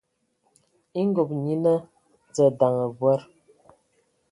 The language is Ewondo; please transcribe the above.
E ngob nyina dza ndaŋ abɔad.